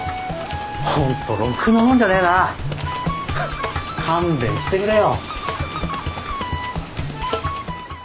本当ろくなもんじゃねえなはっ勘弁してくれよ